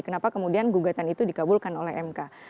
kenapa kemudian gugatan itu dikabulkan oleh mk